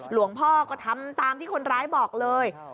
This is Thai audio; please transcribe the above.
หลวงพ่อก็ทำตามที่คนร้ายบอกเลย